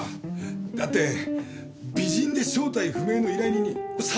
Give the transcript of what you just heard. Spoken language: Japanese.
だって美人で正体不明の依頼人に殺人ですよ？